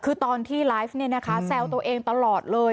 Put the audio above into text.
คือตอนที่ไลฟ์แซวตัวเองตลอดเลย